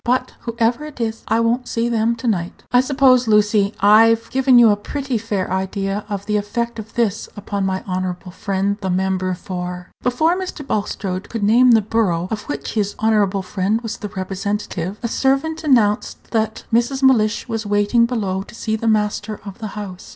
"But, whoever it is, I won't see them to night. I suppose, Lucy, I've given you a pretty fair idea of the effect of this upon my honorable friend, the member for " Before Mr. Bulstrode could name the borough of which his honorable friend was the representative, a servant announced that Mrs. Mellish was waiting below to see the master of the house.